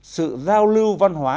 sự giao lưu văn hóa